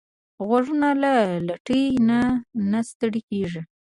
غوږونه له لټۍ نه نه ستړي کېږي